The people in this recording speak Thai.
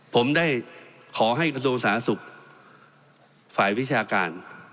ผมได้ขอให้กระทรวงสาธารณสุขฝ่ายวิชาการ